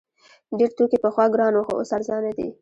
ډیر توکي پخوا ګران وو خو اوس ارزانه دي.